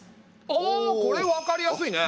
ああこれ分かりやすいね。